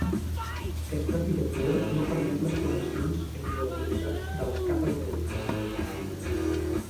Aquesta arquitectura no permet les connexions entre les unitats de les capes ocultes.